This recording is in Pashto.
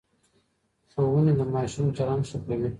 ښوونې د ماشوم چلند ښه کوي.